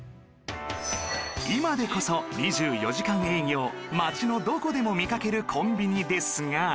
今でこそ２４時間営業町のどこでも見かけるコンビニですが